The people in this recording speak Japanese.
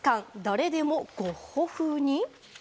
誰でもゴッホ風に？